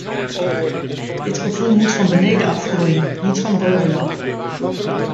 Dit gevoel moet van beneden af groeien, niet van bovenaf.